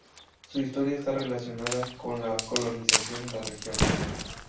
Su historia está relacionada con la colonización de la región.